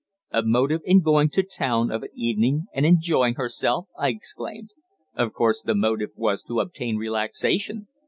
"A motive in going to town of an evening and enjoying herself!" I exclaimed. "Of course, the motive was to obtain relaxation.